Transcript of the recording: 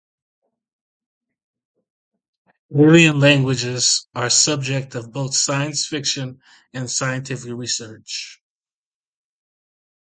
Alien languages are subject of both science fiction and scientific research.